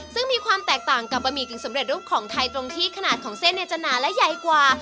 ซึ่งมีความแตกต่างกับบะหมี่กึ่งสำเร็จรูปของไทยตรงที่ขนาดของเส้นเนี่ยจะหนาและใหญ่กว่า